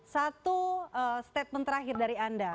satu statement terakhir dari anda